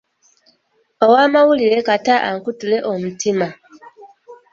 Ow'amawulire kata ankutule omutima.